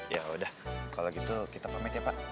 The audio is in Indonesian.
ya udah kalau gitu kita pamit ya pak